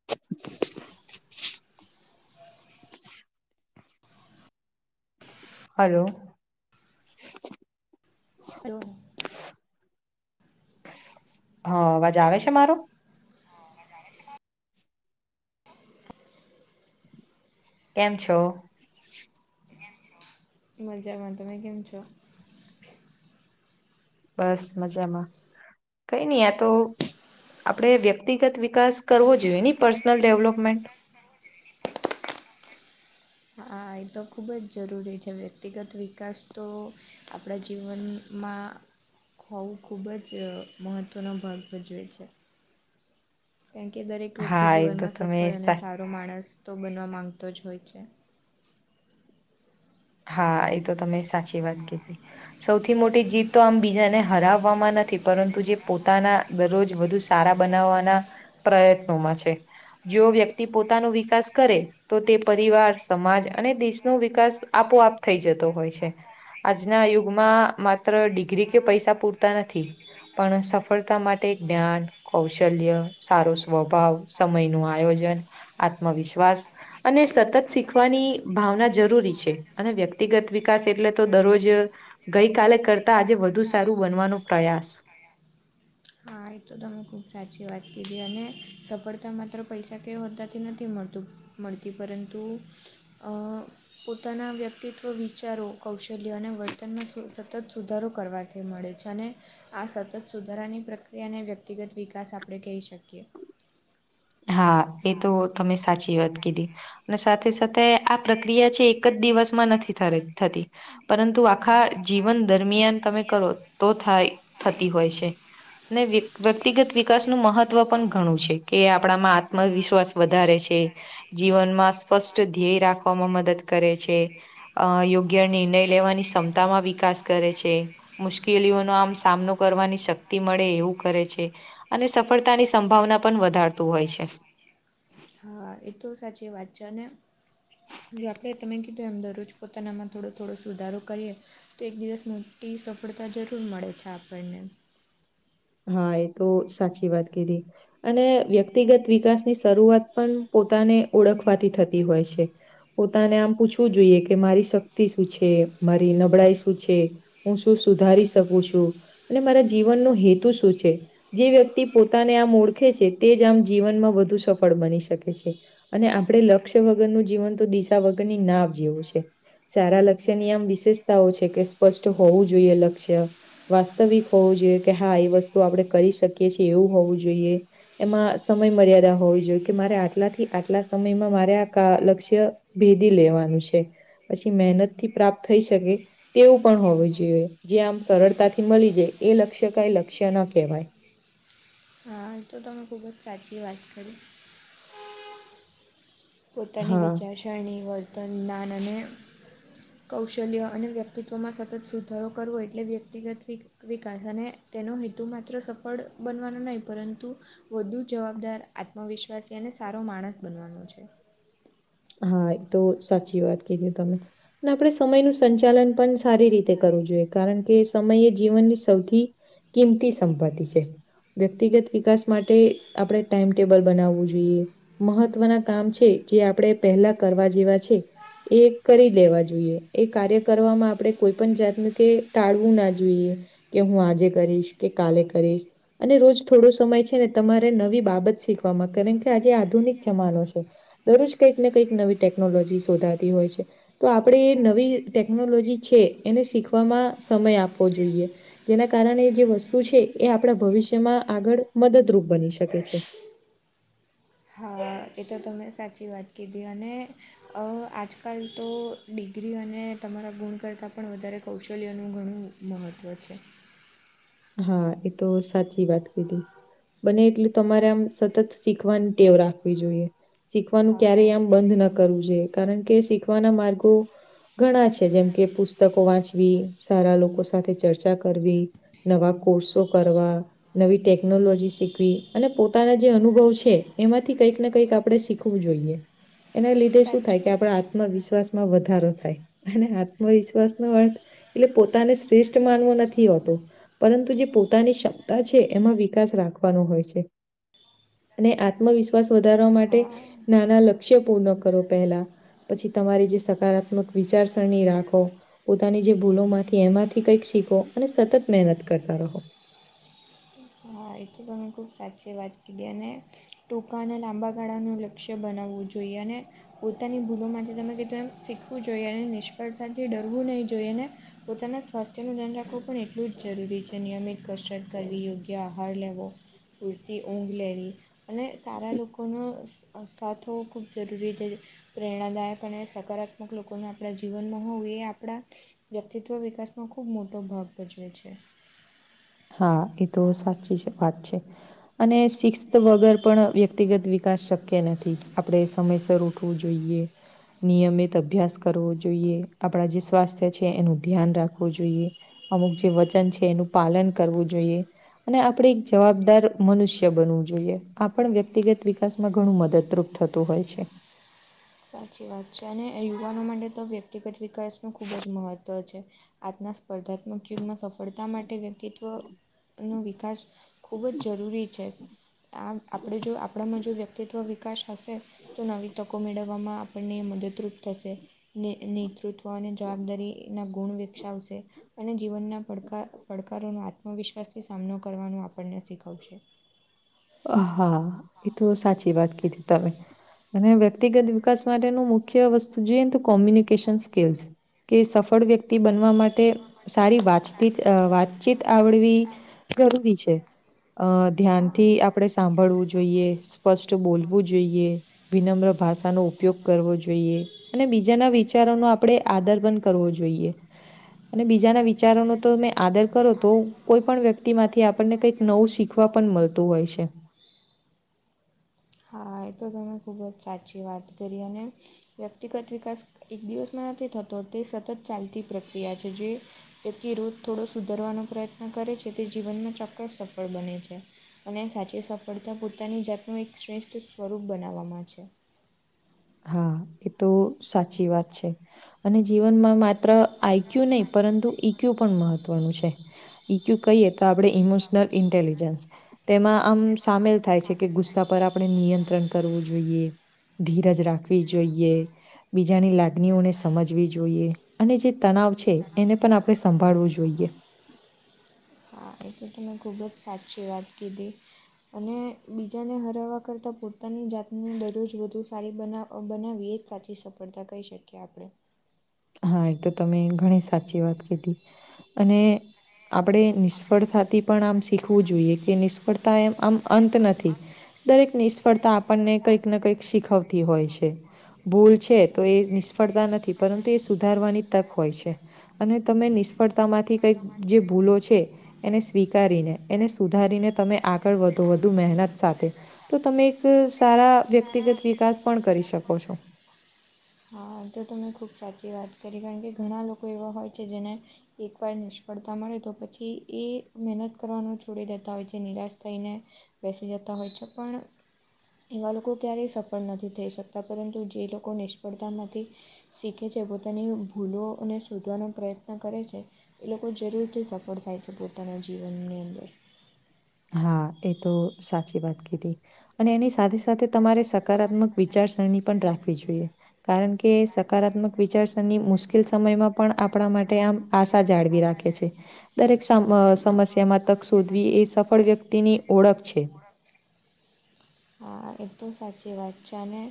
[inaudible] હા. હલો. હો. હ અવાજ આવે છે મારો? હા મજા આવે. [unintelligible] કેમ છો? મજામાં તમે કેમ છો? બસ મજામાં, કઈ નહ આ તો આપણે વ્યક્તિગત વિકાસ કરવો જોઈએ નહી પર્સનલ ડેવલોપમેન્ટ. હા એ તો ખૂબ જ જરૂરી છે વ્યક્તિગત વિકાસ તો આપણા જીવનમાં ખવું ખૂબ જ મહત્ત્વનો ભાગ ભજવે છે. કેમ કે દરેક વ્યક્તિ હા એ તો જીવનમાં તમે સફળ સા અને સારો માણસ તો બનવા માંગતો જ હોય છે. હા એ તો તમે સાચી વાત કીધી. સૌથી મોટી જીત તો આમ બીજાને હરાવવામાં નથી પરંતુ જે પોતાના દરરોજ વધુ સારા બનાવવાના, પ્રયત્નોમાં છે. જો વ્યક્તિ પોતાનો વિકાસ કરે તો તે પરિવાર સમાજ અને દેશ ન વિકાસ આપોઆપ થઈ જતો હોય છે. આજના યુગમાં માત્ર ડિગ્રી કે પૈસા પૂરતા નથી. પણ સફળતા માટે જ્ઞાન. કૌશલ્ય સારો સ્વભાવ સમય નું આયોજન આત્મવિશ્વાસ અને સતત શીખવાની ભાવના જરૂરી છે. અને વ્યક્તિગત વિકાસ એટલે તો દરરોજ ગઈ કાલે કરતા આજે વધુ સારું બનવાનો પ્રયાસ. હા એતો તમે ખુબ સાચી વાત કીધી અને સફળતા માત્ર પૈસા કે હોદાથી નથી મળતું. મળતી પરંતુ અ પોતાના વ્યક્તિત્વ વિચારો કૌશલ્યો અને વર્તનમાં સ સતત સુધારો કરવા સાથે મળે છે અને આ સતત સુધારાની પ્રક્રિયાને વ્યક્તિગત વિકાસ આપણે કહી શકીએ. હા એ તો તમે સાચી વાત કીધી. ને સાથે સાથે આ પ્રક્રિયા છે એક જ દિવસમાં નથી થરે થતી પરંતુ આખા જીવન દરમિયાન તમે કરો તો થાય. થતી હોય છે વીક વ્યક્તિગત વિકાસનું મહત્વ પન ઘણું છે કે આપડા મા આત્મવિશ્વાસ વધારે છે જીવનમાં સ્પષ્ટ ધ્યેય રાખવામાં મદદ કરે છે અ યો ગ્ય નિર્ણય લેવાની ક્ષમતામાં વિકાસ કરે છે મુશ્કેલીઓનો આમ સામનો કરવાની શક ક્તિ મળે એવું કરે છે અને સફળતાની સંભાવના પન વધારતું હોય છે. છે હા એતો સાચી વાત છે અને જો આપડે તમે કીધું એમ દરરોજ પોતાના મ થોડો થોડો સુધારો કરીએ તો એક દિવસ મોટી સફળતા જરૂર મળે છે આપણને. હા એ તો સાચી વાત કીધી. અને વ્યક્તિગત વિકાસની શરૂઆત પણ પોતાને ઓળખવાથી થતી હોય છે. પોતાને આમ પૂછવું જોઈએ કે મારી શક્તિ શું છે મારી નબળાઈ શું છે. હું શું સુધારી શકું છું અને મારા જીવનનો હેતુ શું છે. જે વ્યક્તિ પોતાને આમ ઓળખે છે તે જ આમ જીવનમાં વધુ સફળ બની શકે છે. અને આપણે લક્ષ્ય વગરનું જીવન તો દિશા વગરની નાવ જેવું છે. સારા લક્ષ્યની આમ વિશેષતાઓ કે સ્પષ્ટ હોવું જોઈએ લક્ષ્ય વાસ્તવિક હોવું જોઈએ કે હા એ વસ્તુ આપડે કરી શકીએ છીએ એવું હોવું જોઈએ. એમાં સમય મર્યાદા હોવી જોઈએ કે મારે આટલાથી આટલા સમયમાં મારે આ કા લક્ષ્ય ભેદી લેવાનું છે પછી મહેનત થી પ્રાપ્ત થઈ શકે. તેવું પણ હોવું જોઈએ જે આમ સરળતાથી મલી જાય એ લક્ષ્ય કઈ લક્ષ્ય ન કહેવાય. હાલ તો તમે ખુબ જ સાચી વાત કરી. પોતાની હા વિચારસરણી, વર્તન, જ્ઞાન અને કૌશલ્ય અને વ્યક્તિત્વમાં સતત સુધારો કરવો એટલે વ્યક્તિગત વિ વિકાસ અને તેનો હેતુ માત્ર સફળ બનવાનો નહીં પરંતુ વધુ જવાબદાર આત્મવિશ્વાસી અને સારો માણસ બનવાનો છે. હા એ તો સાચી વાત કીધી તમે. અને આપડે સમયનું સંચાલન પન સારી રીતે કરવું જોઈએ કારન કે સમયે જીવનની સૌથી કિંમતી સંપત્તિ છે. વ્યક્તિગત વિકાસ માટે આપડે ટાઈમટેબલ બનાવવું જોઈએ. મહત્વના કામ છે જે આપડે પહેલા કરવા જેવા છે એ કરી લેવા જોઈએ એ કાર્ય કરવામાં આપડે કોઈ પન જાતનું કે ટાળવું ના જોઈએ. કે હું આજે કરીશ કે કાલે કરીશ અને રોજ થોડો સમય છે ને તમારે નવી બાબત શીખવામાં કારન કે આજે આધુનિક જમાનો છે. દરરોજ કંઈક ને કંઈક નવી ટેકનોલોજી શોધાતી હોય છે. તો આપણે એ નવી ટેકનોલોજી છે એને શીખવામાં સમય આપવો જોઈએ. જેના કારણે જે વસ્તુ છે એ આપણા ભવિષ્યમાં આગળ મદદરૂપ બની શકે છે. હા એ તો તમને સાચી વાત કીધી અને અ આજકાલ તો ડિગ્રી અને તમારા ગુણ કરતાં પણ વધારે કૌશલ્યનું ઘણું મહત્ત્વ છે. હા એ તો સાચી વાત કીધી. બને એટલે તમારે આમ સતત શીખવાની ટેવ રાખવી જોઈએ. શીખવાનું ક્યારે હા આમ બંધ ના કરવું જોઈએ કારણ કે શીખવાના માર્ગો ઘણા છે જેમ કે પુસ્તકો વાંચવી, સારા લોકો સાથે ચર્ચા કરવી. નવા કોર્સો કરવા. નવી ટેકનોલોજી શીખવી અને પોતાના જે અનુભવ છે એમાંથી કંઈક ને કંઈક આપડે શીખવું જોઈએ. એના લીધે શું થાય કે સાચું આપડે જ આત્મવિશ્વાસ મા વધારો થાય અને આત્મવિશ્વાસ નો અર્થ એટલે પોતાને શ્રેષ્ઠ માનવુ નથી હોતું પરંતુ જે પોતાની ક્ષમતા છે એમાં વિકાસ રાખવાનો હોય છે. અને આત્મવિશ્વાસ વધારવા માટે હા નાના લક્ષ્ય પૂર્ણ કરો પહેલા પછી તમારી જે સકારાત્મક વીચારસરણી રાખો. પોતાની જે ભૂલો માંથી એમાંથી કંઈક શીખો અને સતત મહેનત કરતા રહો. હા એ તો તમે ખુબ સાચી વાત કીધી અને ટૂંકા અને લાંબા ગાળાનું લ લક્ષ્ય બનાવવું જોઈએ અને પોતાની ભૂલો માટે તમે કીધું એમ શીખવું જોઈએ અને નિષ્ફળતાથી ડરવું નહીં જોઈએ ને પોતાના સ્વાસ્થ્ય નું ધ્યાન રાખવું પણ એટલું જ જરૂરી છે. નિયમિત કસરત કરવી, યોગ્ આહાર લેવો, પૂરતી ઊંઘ લેવી અને સારા લોકોનો અ સાથ હોવો ખૂબ જરૂરી છે. પ્રેરણાદાયક અને સકારાત્મક લોકોનું આપણા જીવનમાં હોવું એ આપણા વ્યક્તિત્વ વિકાસમાં ખૂબ મોટો ભાગ ભજવે છે. હા એ તો સાચી જ વાત છે. અને શિસ્ત વગર પણ વ્યક્તિગત વિકાસ શક્ય નથી. આપડે સમયસર ઉઠ ઉઠવુ જોઈએ. નિયમિત અભ્યાસ કરવો જોઈએ. આપણા જે સ્વાસ્થ્ય છે એનું ધ્યાન રાખવું જોઈએ. અમુક જે વચન છે એનું પાલન કરવું જોઈએ. ને આપડે એક જવાબદાર મનુષ્ય બનવું જોઈએ આપણ વ્યક્તિગત વિકાસ માં ઘણું મદદરૂપ થતું હોય છે. સાચી વાત છે અને યુવાનો માટે તો વ્યક્તિગત વિકાસનું ખૂબ જ મહત્ત્વ છે. આજના સ્પર્ધાત્મક યુગમાં સફળતા માટે વ્યક્તિત્વ નો વિકાસ ખૂબ જ જરૂરી છે. આમ આપડે જો આપડામાં જો વ્યક્તિત્વ વિકાસ હશે તો નવી તકો મેળવ મેળવવામાં આપણને મદદરૂપ થશે ને નેતૃત્વ અને જવાબદારી એના ગુણ વિકસાવશે અને જીવનના પડકા પડકારોનો આ આત્મવિશ્વાસથી સામનો કરવાનો આપણને શીખવશે. હા એ તો સાચી વાત કીધી તમે. અને વ્યક્તિગત વિકાસ માટેનું મુખ્ય વસ્તુ જોઈએને તો કોમ્યુની કેસન સ્કીલસ કે સફળ વ્યક્તિ બનવા માટે સારી વાચતિત અ વાતચીત આવડવી જરૂરી છે. અ હા. ધ્યાનથી આપડે સાંભળવું જોઈએ. ફસ્ટ બોલવું જોઈએ વિનમ્ર ભાષાનો ઉપયોગ કરવો જો જોઇએ અને બીજાના વિચારો નો આપડે આદર પણ કરવો જોઈએ. અને બીજાના વિચારોનો તો તમે આદર કરો તો કોઈ પણ વ્યક્તિ માંથી આપણને કંઈક નવું શી ખવા પન મલતું હોય છે. હા એ તો તમે ખૂબ જ સાચી વાત કરી અને વ્યક્તિગત વિકાસ એક દિવસમાં નથી થતો તે સતત ચાલતી પ્રક્રિયા છે, જે [unintelligible] રોગ થોડો સુધરવાનો પ્રયત્ન કરે છે, તે જીવનમાં ચોક્કસ સફળ બને છે. અને સાચી સફળતા પોતાની જાતને એક શ્રેષ્ઠ સ્વરૂપ બનાવવામાં છે. હા એ તો સાચી વાત છે, અને જીવનમાં મા ત્ર આઈક્ય્યું નઈ પરંતુ ઈક્યુ પણ મહત્વનું છે. ઈક્યુ કહીએ તો આપડે ઈમોશનલ ઇન્ટેલિજન્સ તેમાં આમ સામેલ થાય છે, કે ગુસ્સા પર આપડે નિયંત્રણ કરવું જોઈએ ધીરજ રા ખવી જોઇએ. બીજાની લાગણીઓને સમજવી જોઈએ અને જે તનાવ છે, એને પણ આપણે સંભાળવું જોઈએ. હા એ તો તમે ખૂબ જ સાચી વાત કીધી અને બીજાને હરાવવા કરતાં પોતાની જાતને દરરોજ વધુ સારી બનાવ અ બનાવીએ સાચી સફળતા કઈ શકીએ આપડે હા એ તો તમે ઘણી સાચી વાત કીધી અને આપડે નિષ્ફળતાથી પણ આમ શીખવું જોઈએ કે નિષ્ફળતા એમ આમ અંત નથી દરેક નિષ્ફળતા આપણને કંઈક ને કંઈક શીખવતી હોય છે. ભૂલ છે, તો એ નિષ્ફળતા નથી પરંતુ એ સુધારવાની તક હોય છે, અને તમે નિષ્ફળતા માંથી કઈક જે ભૂલો છે. એને સ્વીકારીને એને સુધારીને તમે આગળ વધો વધુ મહેનત સાથે તો તમે એક સારા વ્યક્તિગત વિકાસ પણ કરી શકો છો હ તો તમેં ખૂબ સાચી વાત કરી કારણ કે ઘણા લોકો એવા હોય છે, જેને એકવાર નિષ્ફળતા મળે તો પછી એ મહેનત કરવાનું છોડી દેતા હોય છે, નિરાશ થઈને બેસી જતા હોય છે, પણ એવા લોકો ક્યારેય સફળ નથી થઈ શકતા પરંતુ જે લોકો નિષ્ફળતામાંથી શીખે છે, પોતાની ભૂલોને શોધવાનો પ્રયત્ન કરે છે. એ લોકો જરૂરથી સફળ થાય છે, પોતાના જીવનની અંદર હા એ તો સાચી વાત કીધી અને એની સાથે સાથે તમારે સકારાત્મક વિચારસરણી પણ રાખવી જોઈએ. કારણ કે સકારાત્મક વિચારસરની મુશ્કેલ સમયમાં પણ આપણા માટે આમ આશા જાળવી રાખે દરેક સમ અ સમસ્યામાં તક શોધવી એ સફળ વ્યક્તિની ઓળખ છે. હા એતો સાચી વાત છે, અને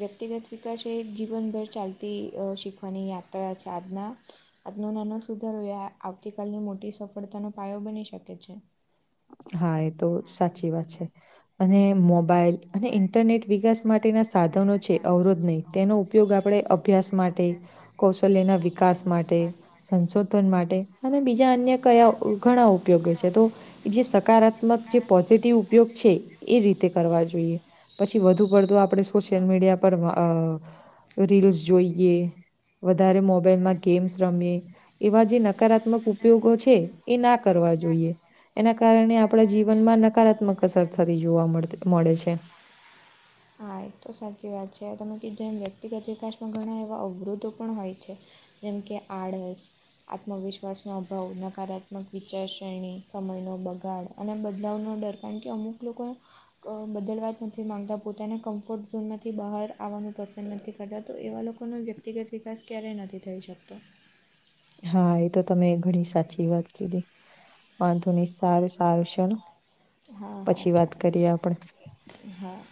વ્યક્તિગત વિકાસ એ જીવનભર ચાલતી અ શીખવાની યાત્રા છે. આજના આજનો નાનો સુધારો એ આવતીકાલની મોટી સફળતાનો પાયો બની શકે છે. હા એતો સાચી વાત છે, અને મોબાઈલ અને ઇન્ટરનેટ વિકાસ માટેના સાધનો છે, અવરોધ નઈ તેનો ઉપયોગ આપડે અ ભ્યાસ માટે, કૌશલ્યના વિકાસ માટે સંશોધન માટે અને બીજા અન્ય કયા ઘણા ઉપયોગો છે, તો જે સકારાત્મક જે પોઝિટિવ ઉપયોગ છે, એ રીતે કરવા જોઈએ. પછી વધુ પડતું આપડે સોશિયલ મીડિયા પર અ રીલ્સ જોઈએ, વધારે મોબ મોબાઈલમાં ગેમ્સ રમે એવા જે નકારાત્મક ઉપયોગો છે, એ ના કરવા જોઈએ. એના કારણે આપણા જીવનમાં નકારાત્મક અસર થતી જોવા મળ મળે છે. હા એતો સાચી વાત છે તમે કીધું એમ વ્યક્તિગત વિકાસમાં ઘણા એવા અવરોધો પણ હોય છે. જેમ કે આળસ આત્મવિશ્વાસનો અભાવ, નકારાત્મક વિચારશ્રેણી, સમયનો બગાડ અને બદલાવનો ડર કારણ કે અમુક લોકો બદલવા જ નથી માંગતા પોતાના કમ્ફર્ટ ઝોનમાંથી બહાર આવાનું પસંદ નથી કરતા તો એવા લોકોનો વ્યક્તિગત વિકાસ ક્યારેય નથી થઈ શકતો. હા એ તો તમે ઘણી સાચી વાત કીધી. વાંધો નહી સારું-સારું ચલો હા હા પછી વાત સારું કરીએ આપડે હા